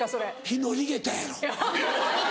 「ひのりげた」やろ。